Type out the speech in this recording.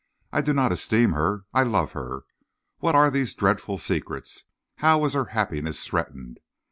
"I do not esteem her; I love her. What are these dreadful secrets? How is her happiness threatened?